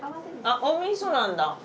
あおみそなんだ。